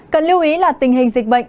cần lưu ý là tình hình dịch bệnh